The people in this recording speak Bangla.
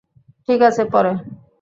ঠিক আছে, পরে।